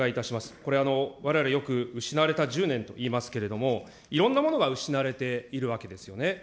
これ、われわれよく失われた１０年といいますけれども、いろんなものが失われているわけですよね。